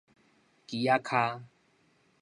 旗仔跤